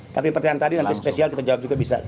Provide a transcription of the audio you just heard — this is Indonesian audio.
tapi pertanyaan tadi nanti spesial kita jawab juga bisa